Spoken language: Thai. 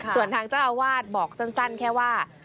ส่วนทางเจ้าอาวาสบอกสั้นแค่ว่า